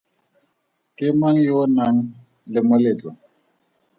Ke mang yo o nang le moletlo?